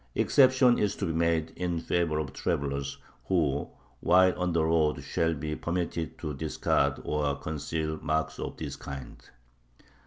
Exception is to be made in favor of travelers, who, while on the road, shall be permitted to discard or conceal marks of this kind.